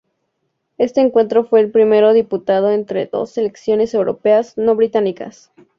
Este encuentro fue el primero disputado entre dos selecciones europeas no británicas.